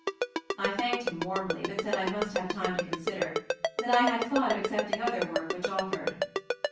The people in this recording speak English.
I thanked him warmly, but said I must have time to consider — that I had thought of accepting other work which offered.